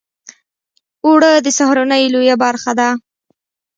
اوړه د سهارنۍ لویه برخه ده